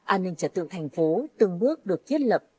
an ninh trật tự thành phố từng bước được thiết lập